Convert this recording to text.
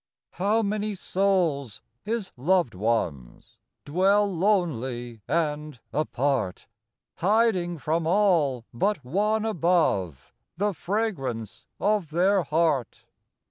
How many souls — His loved ones — Dwell lonely and apart, Hiding from all but One above The fragrance of their heart.